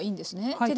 はい。